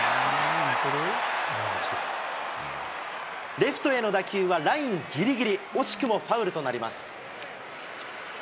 レフトへの打球はラインぎりぎり、惜しくもファウルとなります。